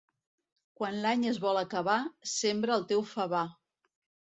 Quan l'any es vol acabar, sembra el teu favar.